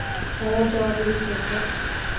Savol javobiga kelsak…